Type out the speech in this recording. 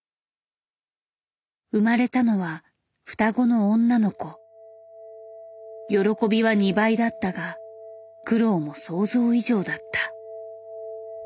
生まれたのは喜びは２倍だったが苦労も想像以上だった。